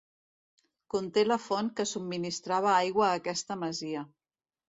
Conté la font que subministrava aigua a aquesta masia.